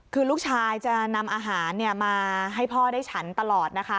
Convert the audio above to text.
คือลูกชายจะนำอาหารมาให้พ่อได้ฉันตลอดนะคะ